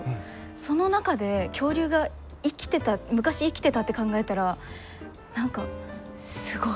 その中で恐竜が生きてた昔生きてたって考えたら何かすごい。